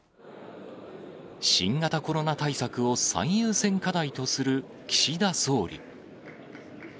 新型コロナ対策を最優先課題とする岸田総理。